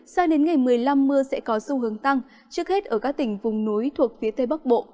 sang đến ngày một mươi năm mưa sẽ có xu hướng tăng trước hết ở các tỉnh vùng núi thuộc phía tây bắc bộ